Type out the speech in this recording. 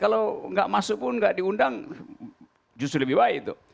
kalau tidak masuk pun tidak diundang justru lebih baik